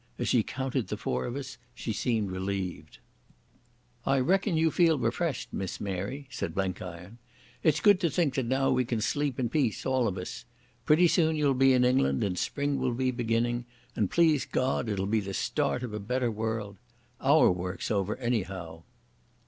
As she counted the four of us she seemed relieved. "I reckon you feel refreshed, Miss Mary," said Blenkiron. "It's good to think that now we can sleep in peace, all of us. Pretty soon you'll be in England and spring will be beginning, and please God it'll be the start of a better world. Our work's over, anyhow."